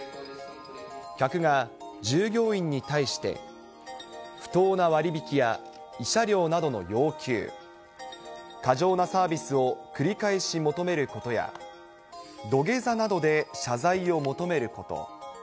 客が従業員に対して、不当な割引や慰謝料などの要求、過剰なサービスを繰り返し求めることや、土下座などで謝罪を求めること。